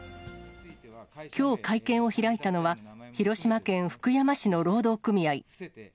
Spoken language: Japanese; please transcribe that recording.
きょう会見を開いたのは、広島県福山市の労働組合。